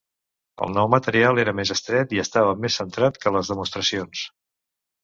El nou material era més estret i estava més centrat que les demostracions.